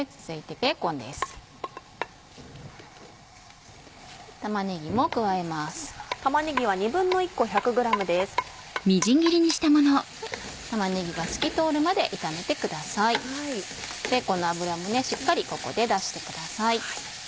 ベーコンの脂もしっかりここで出してください。